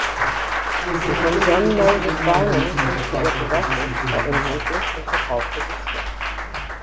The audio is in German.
Die von John Moses Browning konstruierte Waffe war unhandlich und verkaufte sich schlecht.